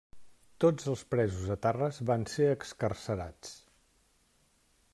Tots els presos etarres van ser excarcerats.